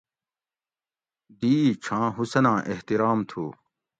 دی ای چھاں حُسناں احترام تُھو